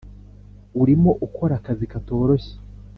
urimo ukora akazi katoroshye